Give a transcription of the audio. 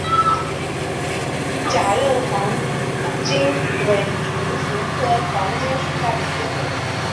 假韧黄芩为唇形科黄芩属下的一个种。